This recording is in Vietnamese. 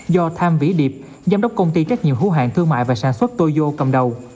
do tham vĩ điệp giám đốc công ty trách nhiệm hữu hạng thương mại và sản xuất tô cầm đầu